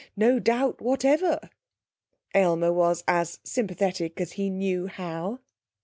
No doubt whatever.' Aylmer was as sympathetic as he knew how.